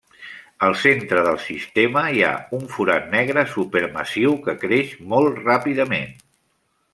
Al centre del sistema, hi ha un forat negre supermassiu que creix molt ràpidament.